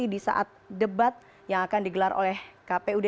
dan di dua puluh tahun